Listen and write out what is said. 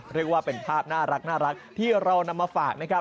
เรียกว่าเป็นภาพน่ารักที่เรานำมาฝากนะครับ